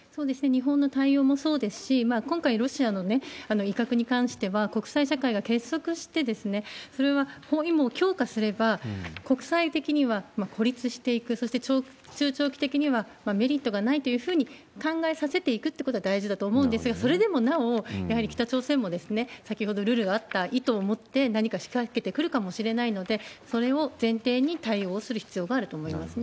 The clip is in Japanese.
日本の対応もそうですし、今回、ロシアの威嚇に関しては、国際社会が結束して、それは包囲網を強化すれば、国際的には孤立していく、そして中長期的にはメリットがないというふうに考えさせていくということが大事だと思うんですが、それでもなお、やはり北朝鮮も先ほどるるあった意図を持って何か仕掛けてくるかもしれないので、それを前提に対応する必要があると思います。